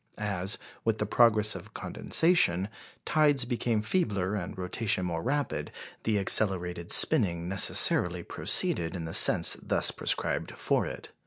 As, with the progress of condensation, tides became feebler and rotation more rapid, the accelerated spinning necessarily proceeded in the sense thus prescribed for it.